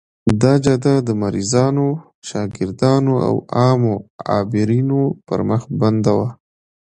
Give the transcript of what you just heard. دا جاده د مریضانو، شاګردانو او عامو عابرینو پر مخ بنده وه.